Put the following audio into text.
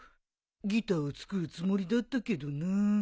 ギターを作るつもりだったけどな。